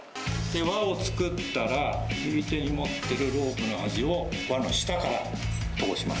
輪を作ったら、右手に持ってるロープの端を下から通します。